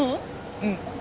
うん。